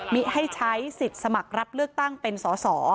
ให้ใช้สิทธิ์สมัครรับเลือกตั้งเป็นสอสอ